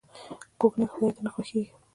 کوږ نیت خداي ته نه خوښیږي